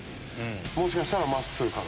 もしかしたらまっすーかな。